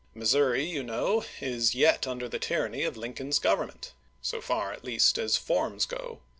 Missouri, you know, is yet under the tyranny of Lincoln's Government — so far, at least, as forms go.